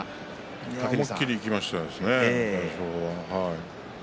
大翔鵬が思い切りいきましたね。